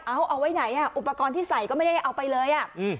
เอาเอาไว้ไหนอ่ะอุปกรณ์ที่ใส่ก็ไม่ได้เอาไปเลยอ่ะ